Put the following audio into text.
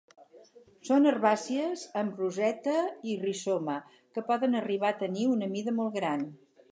Són herbàcies amb roseta i rizoma que poden arribar a tenir una mida molt gran.